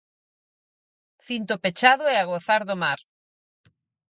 Cinto pechado e a gozar do mar.